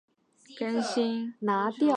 洋葱头是通过部落格进行发布更新。